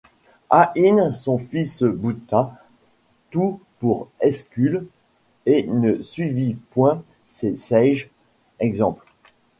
Ains son fils bouta tout par escuelles et ne suyvit point ces saiges exemples.